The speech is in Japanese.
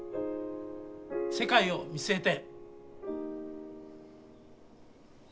世界を見据えて。